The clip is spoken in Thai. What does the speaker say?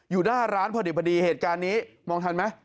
อยู่หน้าร้านพอดีเหตุการณ์นี้มองทันไหม